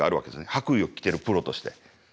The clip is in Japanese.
白衣を着てるプロとして。